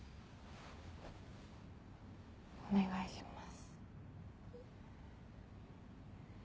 お願いします。